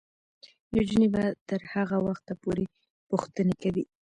نجونې به تر هغه وخته پورې پوښتنې کوي.